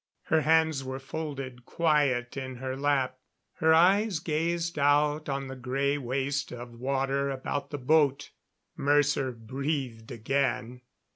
Her hands were folded quiet in her lap; her eyes gazed out on the gray waste of water about the boat. Mercer breathed again.